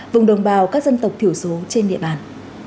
vùng đồng bào các dân tộc thiểu số trên địa bàn